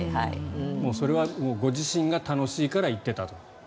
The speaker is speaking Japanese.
それはご自身が楽しいから行っていたと。